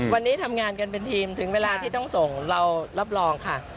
วันนี้ทำงานกันเป็นทีมถึงเวลาที่ต้องส่งเรารับรองค่ะ